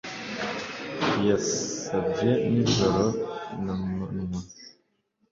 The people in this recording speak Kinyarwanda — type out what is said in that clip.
Yabasabye nijoro namanywa